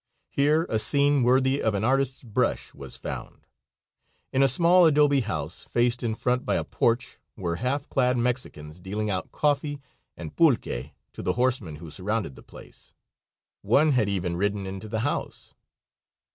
Here a scene worthy of an artist's brush was found. In a small adobe house, faced in front by a porch, were half clad Mexicans dealing out coffee and pulque to the horsemen who surrounded the place. One had even ridden into the house.